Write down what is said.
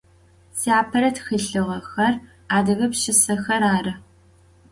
Siapere txılhığexer adıge pşşısexer arı.